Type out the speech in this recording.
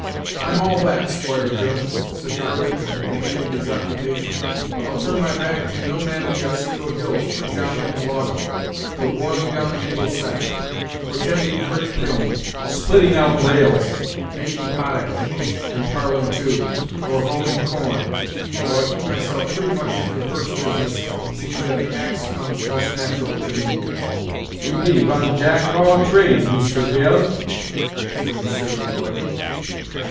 "I'm all that, Squire Jones," said Kirby, who continued his occupation; "I'll turn my back to no man in the Otsego hills for chopping and logging, for boiling down the maple sap, for tending brick kiln, splitting out rails, making potash, and parling too, or hoeing corn; though I keep myself pretty much to the first business, seeing that the axe comes most natural to me." "You be von Jack All trade, Mister Beel," said Monsieur Le Quoi.